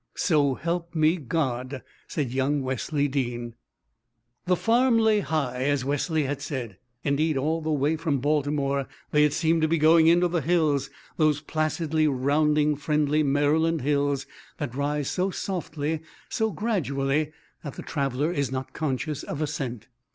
"So help me God," said young Wesley Dean. The farm lay high, as Wesley had said. Indeed, all the way from Baltimore they had seemed to be going into the hills, those placidly rounding friendly Maryland hills that rise so softly, so gradually that the traveller is not conscious of ascent.